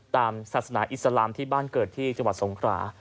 ตามศาสนาอิสลามที่บ้านเกิดที่จังหวัดสงขรา